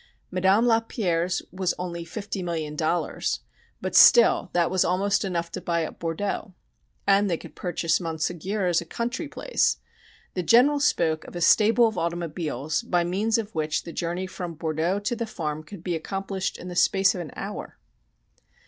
Madame Lapierre's was only fifty million dollars but still that was almost enough to buy up Bordeaux. And they could purchase Monségur as a country place. The General spoke of a stable of automobiles by means of which the journey from Bordeaux to the farm could be accomplished in the space of an hour.